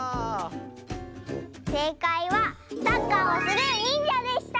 せいかいはサッカーをするにんじゃでした！